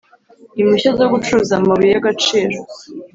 Impushya zo gucuruza amabuye y agaciro